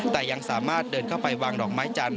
แต่ยังสามารถเดินเข้าไปวางดอกไม้จันท